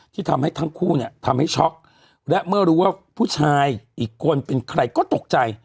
ที่ทำให้ทั้งคู่เนี่ยทำให้ช็อกและเมื่อรู้ว่าผู้ชายอีกคนเป็นใครก็ตกใจ